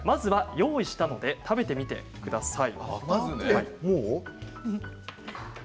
用意したので食べてみてください。